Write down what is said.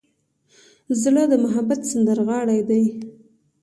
زړه د محبت سندرغاړی دی.